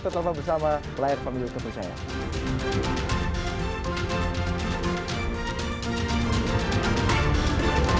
tetap bersama layar pemilu tv saya